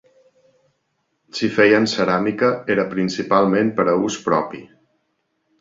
Si feien ceràmica era principalment per a ús propi.